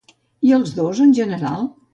I els dos en general?